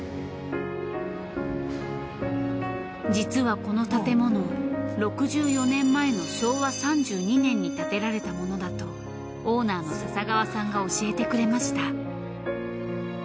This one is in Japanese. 実はこの建物６４年前の昭和３２年に建てられたものだとオーナーの笹川さんが教えてくれました。